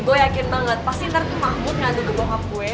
gue yakin banget pasti ntar tuh mahmud ngantuk ke bokap gue